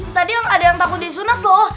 tadi yang ada yang takut disunat loh